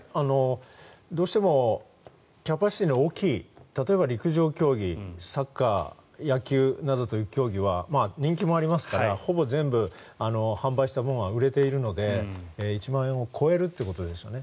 どうしてもキャパシティーの大きい例えば陸上競技サッカー、野球などという競技は人気もありますからほぼ全部、販売したものは売れているので１万人を超えるということですよね。